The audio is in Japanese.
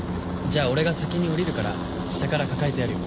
じゃあ俺が先に降りるから下から抱えてやるよ。